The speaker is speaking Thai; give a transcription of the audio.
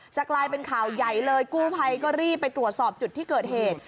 กลายเป็นข่าวใหญ่เลยกู้ภัยก็รีบไปตรวจสอบจุดที่เกิดเหตุ